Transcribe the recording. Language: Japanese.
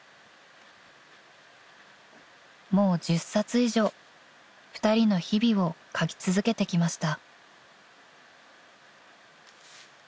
［もう１０冊以上２人の日々を書き続けてきました］